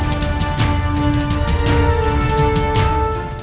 aku akan terus memburumu